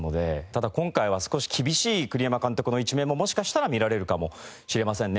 ただ今回は少し厳しい栗山監督の一面ももしかしたら見られるかもしれませんね。